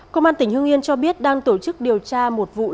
công an tỉnh hương yên cho biết đang tổ chức điều tra một vụ